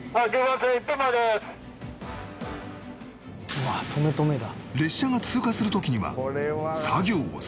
「うわっ止め止めだ」